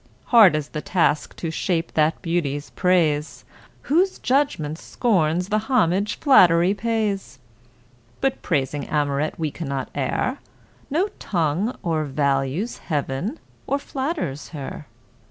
Hard is the task to shape that beauty's praise, Whose judgment scorns the homage flattery pays? But praising Amoret we cannot err, No tongue o'ervalues Heaven, or flatters her!